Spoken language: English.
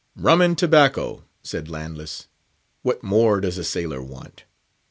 "Rum and tobacco!" said Landless, "what more does a sailor want?"